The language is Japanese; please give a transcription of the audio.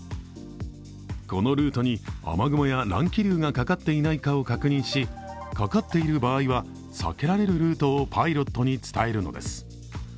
このルートに雨雲や乱気流がかかっていないかを確認し、かかっている場合は、避けられるルートをパイロットに伝えるのです。